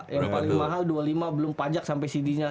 yang paling mahal rp dua puluh lima belum pajak sampai cd nya rp tujuh